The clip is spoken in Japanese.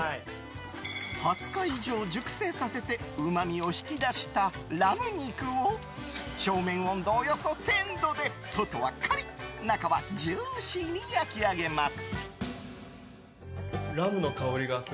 ２０日以上熟成させてうまみを引き出したラム肉を表面温度およそ１０００度で外はカリッ中はジューシーに焼き上げます。